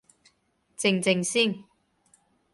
靜靜先